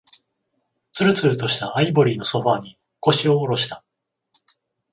つるつるとしたアイボリーのソファーに、腰を下ろした。